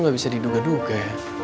tidak bisa diduga duga